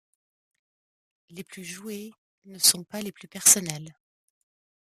Les plus jouées ne sont pas les plus personnelles.